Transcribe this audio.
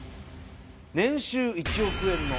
「年収１億円の」